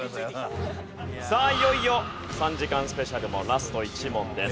さあいよいよ３時間スペシャルもラスト１問です。